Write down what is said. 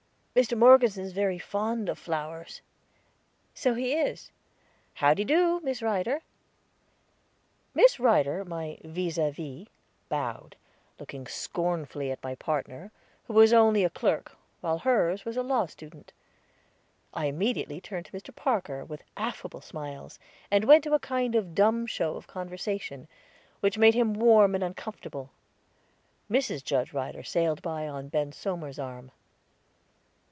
"Mr. Morgeson's very fond of flowers." "So he is. How de do, Miss Ryder." Miss Ryder, my vis à vis, bowed, looking scornfully at my partner, who was only a clerk, while hers was a law student. I immediately turned to Mr. Parker with affable smiles, and went into a kind of dumb show of conversation, which made him warm and uncomfortable. Mrs. Judge Ryder sailed by on Ben Somers's arm.